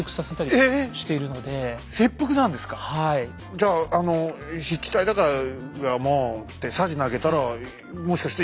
じゃああの湿地帯だからもうってさじ投げたらそうですね。